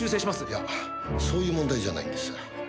いやそういう問題じゃないんですが。